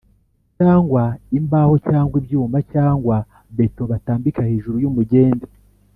cyangwa imbaho cyangwa ibyuma cyangwa beto batambika hejuru y’umugende,